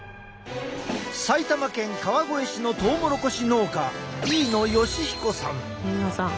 埼玉県川越市のトウモロコシ農家飯野芳彦さん。